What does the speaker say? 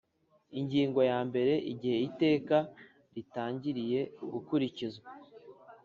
Ingingo ya mbere Igihe iteka ritangiriye gukurikizwa